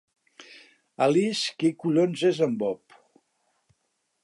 Alice, qui collons és en Bob?